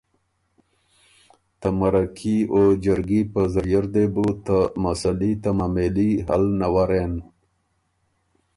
ته مرکي او جرګي په ذریعه ر دې بُو ته مسئلي ته معامېلي حل نَورېن۔